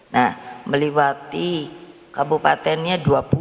nah melewati kabupatennya dua puluh